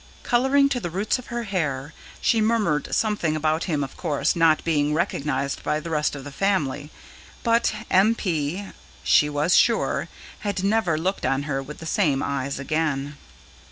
Colouring to the roots of her hair, she murmured something about him of course not being recognised by the rest of the family; but M. P., she was sure, had never looked on her with the same eyes again.